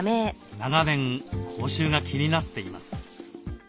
長年口臭が気になっています。